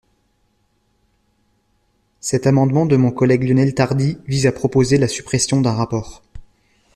Cet amendement de mon collègue Lionel Tardy vise à proposer la suppression d’un rapport.